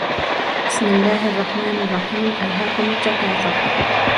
بسم الله الرحمن الرحيم ألهاكم التكاثر